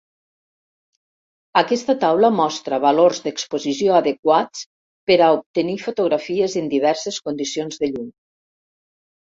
Aquesta taula mostra valors d'exposició adequats per a obtenir fotografies en diverses condicions de llum.